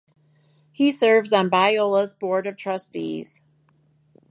He serves on Biola's Board of Trustees.